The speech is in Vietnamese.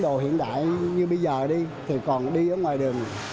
đồ hiện đại như bây giờ đi thì còn đi ở ngoài đường